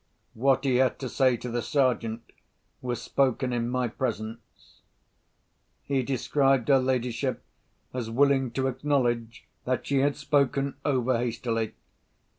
What he had to say to the Sergeant was spoken in my presence. He described her ladyship as willing to acknowledge that she had spoken over hastily.